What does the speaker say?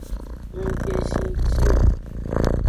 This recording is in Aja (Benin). Nggbe zinji o.